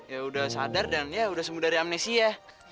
ya udah sadar dan ya udah sembuh dari amnesia